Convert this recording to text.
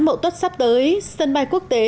mẫu tốt sắp tới sân bay quốc tế